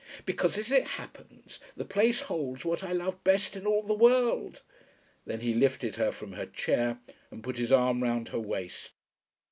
"Because, as it happens, the place holds what I love best in all the world." Then he lifted her from her chair, and put his arm round her waist.